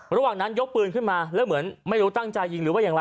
ระหว่างนั้นยกปืนขึ้นมาแล้วเหมือนไม่รู้ตั้งใจยิงหรือว่าอย่างไร